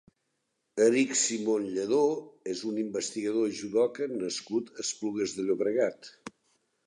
Erik Simón Lledó és un investigador i judoka nascut a Esplugues de Llobregat.